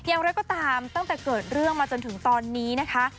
อย่างไรก็ตามตั้งแต่เกิดเรื่องมาจนถึงตอนนี้นะคะ